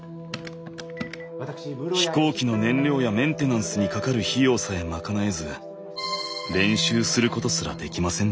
飛行機の燃料やメンテナンスにかかる費用さえ賄えず練習することすらできませんでした。